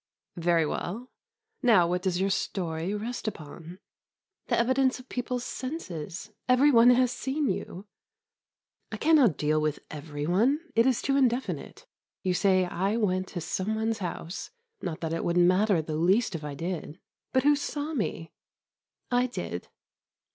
"Very well. Now what does your story rest upon?" "The evidence of people's senses. Every one has seen you." "I cannot deal with 'every one,' it is too indefinite. You say I went to some one's house, not that it would matter the least if I did, but who saw me?" "I did."